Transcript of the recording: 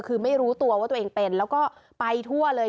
คือไม่รู้ตัวว่าตัวเองเป็นแล้วก็ไปทั่วเลย